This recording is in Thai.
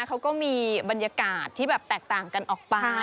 เขาก็มีบรรยากาศที่แบบแตกต่างกันออกไป